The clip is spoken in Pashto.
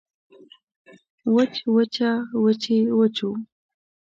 وچ وچه وچې وچو